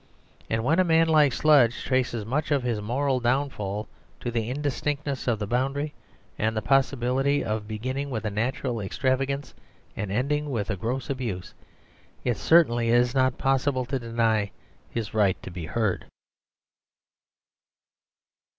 And when a man like Sludge traces much of his moral downfall to the indistinctness of the boundary and the possibility of beginning with a natural extravagance and ending with a gross abuse, it certainly is not possible to deny his right to be heard.